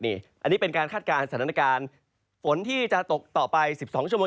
อันนี้เป็นการคาดการณ์สถานการณ์ฝนที่จะตกต่อไป๑๒ชั่วโมง